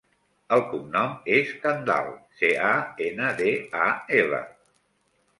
El cognom és Candal: ce, a, ena, de, a, ela.